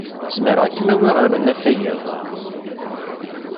Zemreɣ ad kem-awiɣ ɣer unafag iḍ-a.